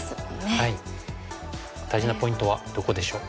大事なポイントはどこでしょう？